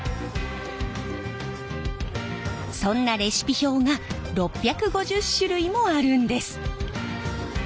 そんなレシピ表が６５０種類もあるんです。